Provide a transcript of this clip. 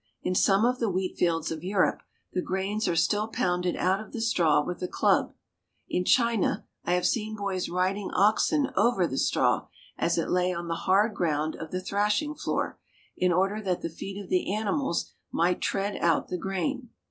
In some of the wheatfields of Europe the grains are still pounded out of the straw with a club. In China I have seen boys riding oxen over the straw, as it lay on the hard ground of the thrashing floor, in order that the feet of the animals might tread out the grain.